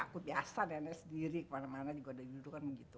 aku biasa nenek sendiri kemana mana juga dari dulu kan begitu